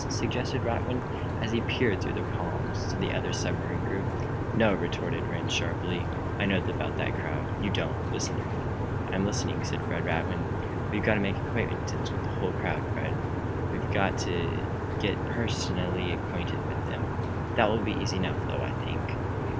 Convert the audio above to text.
suggested Radwin, as he peered through the palms at the other submarine group. "No!" retorted Rhinds, sharply. "I know about that crowd. You don't. Listen to me." "I'm listening," said Fred Radwin. "We've got to make the acquaintance of that whole crowd, Fred. We've got to get personally acquainted with them all. That will be easy enough, I think.